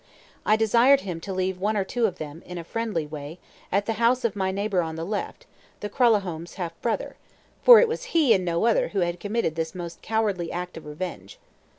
I desired him to leave one or two of them, in a friendly way, at the house of my neighbor on the left, the Kralahome's half brother; for it was he, and no other, who had committed this most cowardly act of revenge.